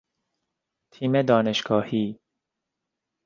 تیم دانشگاهی